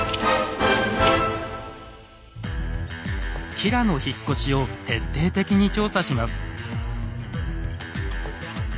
吉良の引っ越しを徹底的に調査します。